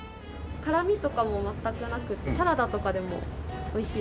辛みとかも全くなくてサラダとかでも美味しいです。